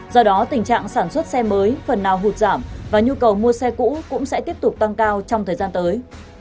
do đó tình trạng sản xuất xe mới phần nào hụt giảm và nhu cầu mua xe cũ cũng sẽ tiếp tục tăng cao trong thời gian tới